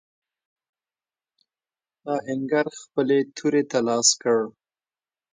آهنګر خپلې تورې ته لاس کړ.